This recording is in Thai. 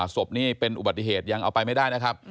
ศพนี่เป็นอุบัติเหตุยังเอาไปไม่ได้นะครับ